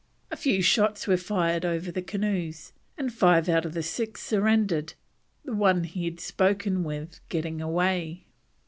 A few shots were fired over the canoes, and five out of the six surrendered, the one he had spoken with getting away.